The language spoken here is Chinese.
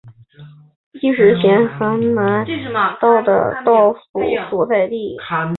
亦是咸镜南道的道府所在地。